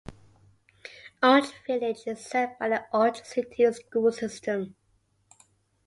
Orange Village is served by the Orange City School System.